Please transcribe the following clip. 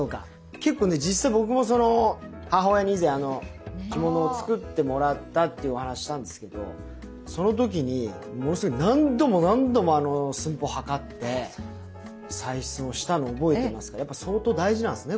結構ね実際僕も母親に以前着物を作ってもらったっていうお話したんですけどその時にものすごい何度も何度も寸法測って採寸をしたのを覚えてますがやっぱ相当大事なんですね